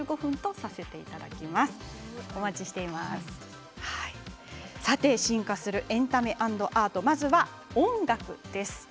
さて進化するエンタメアンドアート、まずは音楽です。